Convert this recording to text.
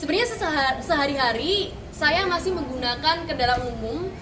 sebenarnya sehari hari saya masih menggunakan kendaraan umum